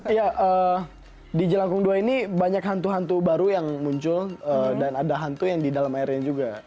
iya di jelangkung dua ini banyak hantu hantu baru yang muncul dan ada hantu yang di dalam airnya juga